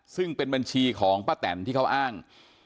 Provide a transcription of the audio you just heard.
ซึ่งเป็นบัญชีของป้าแตนที่เขาอ้าง